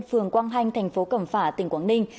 phường quang hanh thành phố cẩm phả tỉnh quảng ninh